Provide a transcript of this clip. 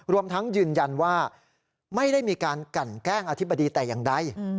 รวมทั้งยืนยันว่าไม่ได้มีการกันแกล้งอธิบดีแต่อย่างใด